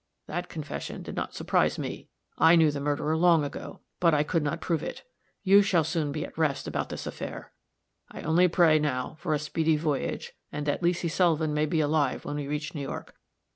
That confession did not surprise me; I knew the murderer long ago, but I could not prove it. You shall soon be at rest about this affair. I only pray, now, for a speedy voyage, and that Leesy Sullivan may be alive when we reach New York.